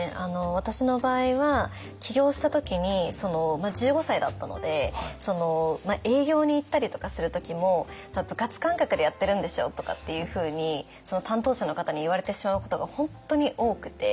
私の場合は起業した時に１５歳だったので営業に行ったりとかする時も「部活感覚でやってるんでしょ？」とかっていうふうにその担当者の方に言われてしまうことが本当に多くて。